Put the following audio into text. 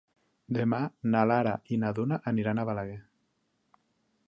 Demà na Lara i na Duna aniran a Balaguer.